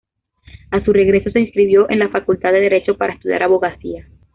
A su regreso, se inscribió en la Facultad de Derecho para estudiar abogacía.